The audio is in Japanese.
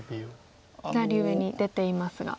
左上に出ていますが。